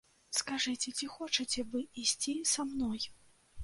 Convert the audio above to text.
Скажыце, ці хочаце вы ісці са мной?